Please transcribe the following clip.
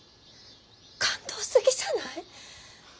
感動すぎじゃない？